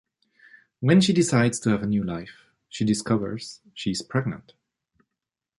When she decides to have a new life, she discovers she is pregnant.